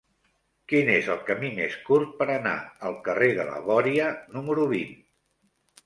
Quin és el camí més curt per anar al carrer de la Bòria número vint?